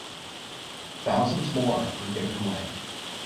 Thousands more were given away.